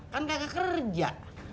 kan kagak kerja